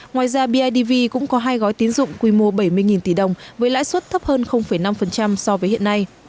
ngoài ra bidv cũng có hai gói tín dụng quy mô bảy mươi tỷ đồng với lãi suất thấp hơn năm so với hiện nay